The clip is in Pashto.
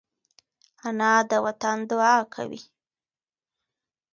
انا د وطن دعا کوي